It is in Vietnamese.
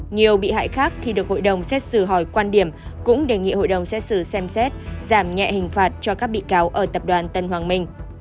nhiều bị hại khác thì được hội đồng xét xử hỏi quan điểm cũng đề nghị hội đồng xét xử xem xét giảm nhẹ hình phạt cho các bị cáo ở tập đoàn tân hoàng minh